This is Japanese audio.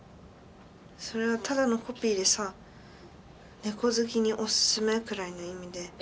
それはただのコピーでさ「猫好きにお薦め」くらいの意味で。